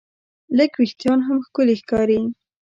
لږ وېښتيان هم ښکلي ښکاري.